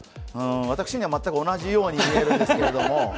私には全く同じように見えるんですけれども。